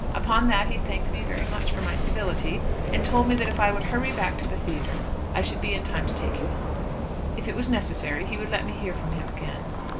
Upon that he thanked me very much for my civility, and told me that if I would hurry back to the theatre I should be in time to take you home. If it was necessary he would let me hear from him again.